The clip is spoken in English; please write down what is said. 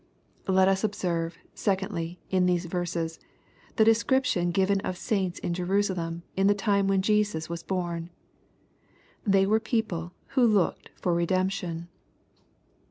Let us observe, secondly, in these verses, t?ie description given of saints in Jerusalem in the time when Jesus was born. They were people " who looked for redemption."